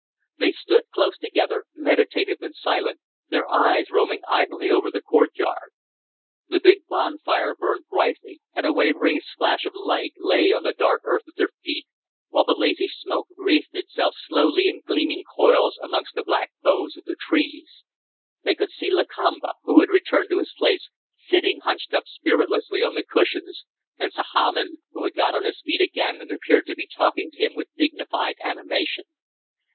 They stood close together, meditative and silent, their eyes roaming idly over the courtyard. The big bonfire burned brightly, and a wavering splash of light lay on the dark earth at their feet, while the lazy smoke wreathed itself slowly in gleaming coils amongst the black boughs of the trees. They could see Lakamba, who had returned to his place, sitting hunched up spiritlessly on the cushions, and Sahamin, who had got on his feet again and appeared to be talking to him with dignified animation.